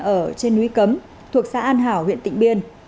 ở trên núi cấm thuộc xã an hảo huyện tịnh biên